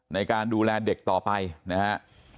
ในการดูแลเด็กต่อไปนะครับ